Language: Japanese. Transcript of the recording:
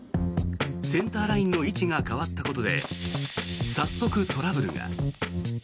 センターラインの位置が変わったことで早速トラブルが。